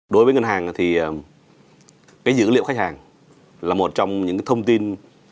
đối với ngân hàng thì dữ liệu khách hàng là một trong những thông tin